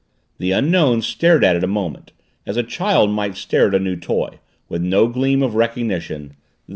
The Unknown stared at it a moment, as a child might stare at a new toy, with no gleam of recognition.